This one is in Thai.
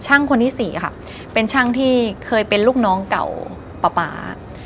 คนที่สี่ค่ะเป็นช่างที่เคยเป็นลูกน้องเก่าป๊าป๊า